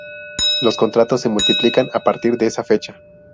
Los contratos se multiplican a partir de esa fecha.